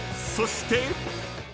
そして。